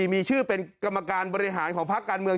มีชื่อเป็นกรรมการบริหารของพักการเมือง